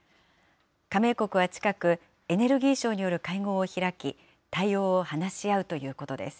加盟国は近く、エネルギー相による会合を開き、対応を話し合うということです。